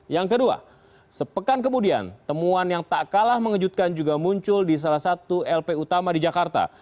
yang kedua sepekan kemudian temuan yang tak kalah mengejutkan juga muncul di salah satu lp utama di jakarta